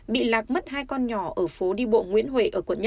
bị lạc mất hai con nhỏ ở phố đi bộ nguyễn huệ quận một